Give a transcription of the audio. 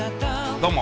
どうも。